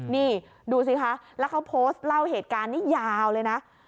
นี่ดูสิคะแล้วเขาโพสต์เล่าเหตุการณ์นี้ยาวเลยนะ